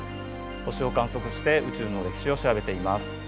星を観測して宇宙の歴史を調べています。